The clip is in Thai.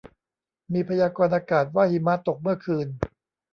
มีพยากรณ์อากาศว่าหิมะตกเมื่อคืน